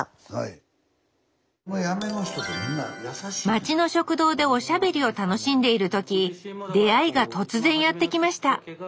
町の食堂でおしゃべりを楽しんでいる時出会いが突然やって来ました。